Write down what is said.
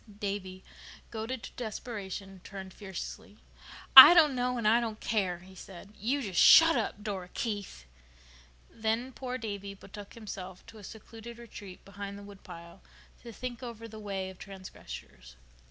Davy, goaded to desperation, turned fiercely. "I don't know and I don't care," he said. "You just shut up, Dora Keith." Then poor Davy betook himself to a secluded retreat behind the woodpile to think over the way of transgressors.